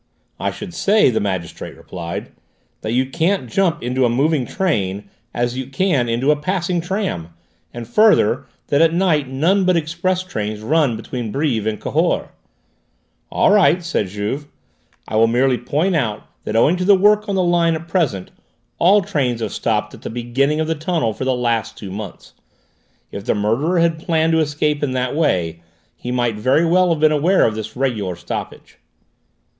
"I should say," the magistrate replied, "that you can't jump into a moving train as you can into a passing tram, and further, that at night none but express trains run between Brives and Cahors." "All right," said Juve: "I will merely point out that owing to the work on the line at present, all trains have stopped at the beginning of the tunnel for the last two months. If the murderer had planned to escape in that way he might very well have been aware of this regular stoppage."